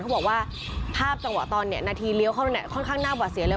เขาบอกว่าภาพจังหวะตอนนี้นาทีเลี้ยวเข้าเนี่ยค่อนข้างหน้าหวัดเสียเลย